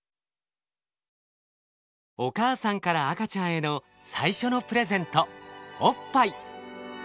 お母さんから赤ちゃんへの最初のプレゼントおっぱい。